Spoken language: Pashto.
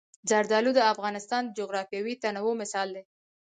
زردالو د افغانستان د جغرافیوي تنوع مثال دی.